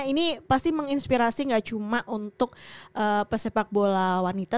ini pasti menginspirasi nggak cuma untuk pesepak bola wanita